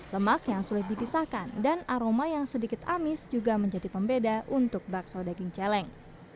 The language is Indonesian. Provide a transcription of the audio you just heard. lemak yang sulit dipisahkan dan aroma yang sedikit amis juga menjadi pembeda untuk bakso daging celeng